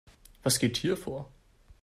Was geht hier vor?